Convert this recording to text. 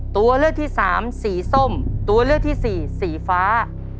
ตัวเลือกที่สามสีส้มตัวเลือกที่สี่สีฟ้า